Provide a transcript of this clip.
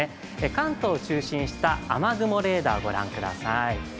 関東を中心にした雨雲レーダーをご覧ください。